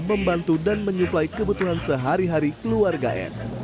membantu dan menyuplai kebutuhan sehari hari keluarga n